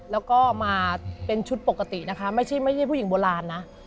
แล้วก็มาเป็นชุดปกตินะคะไม่ใช่ผู้หญิงโบราณนะ